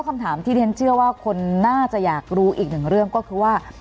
คำถามที่เรียนเชื่อว่าคนน่าจะอยากรู้อีกหนึ่งเรื่องก็คือว่า